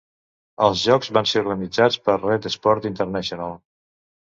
Els jocs van ser organitzats per Red Sport International.